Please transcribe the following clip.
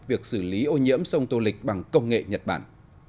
việc xử lý ô nhiễm sông tô lịch bằng công nghệ nhật bản